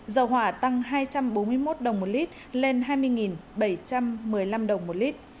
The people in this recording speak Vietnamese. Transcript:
dầu hỏa tăng hai trăm bốn mươi một đồng một lít lên hai mươi bảy trăm một mươi năm đồng một lít